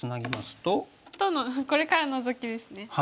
とこれからノゾキですね。